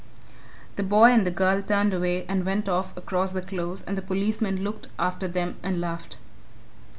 The boy and the girl turned away and went off across the Close, and the policeman looked after them and laughed.